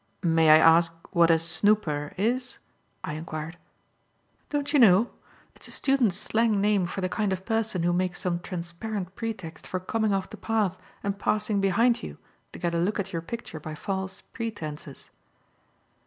"May I ask what a 'snooper' is?" I enquired. "Don't you know? It's a student's slang name for the kind of person who makes some transparent pretext for coming off the path and passing behind you to get a look at your picture by false pretences."